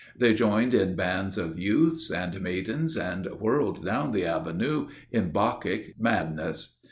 They joined in bands of youths and maidens and whirled down the Avenue in Bacchic madness.